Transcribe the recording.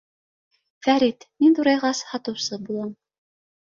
— Фәрит, мин ҙурайғас, һатыусы булам.